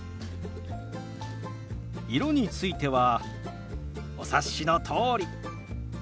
色についてはお察しのとおり！